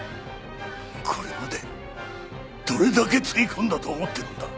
これまでどれだけつぎ込んだと思ってるんだ！